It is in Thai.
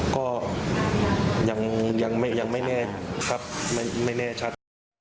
ก็ยังไม่แน่ชัด